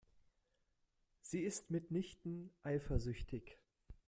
Sie ist mitnichten eifersüchtig.